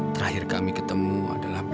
terakhir kami ketemu adalah